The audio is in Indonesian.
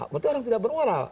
berarti orang tidak bermoral